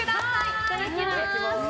いただきます！